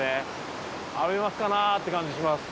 アメマスかなって感じします。